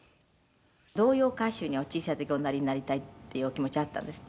「童謡歌手にお小さい時おなりになりたいっていうお気持ちあったんですって？」